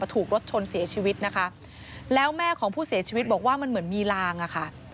ถูกรถชนเสียชีวิตนะคะแล้วแม่ของผู้เสียชีวิตบอกว่ามันเหมือนมีลางอ่ะค่ะ